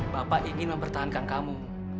bapak ingin mempertahankan kamu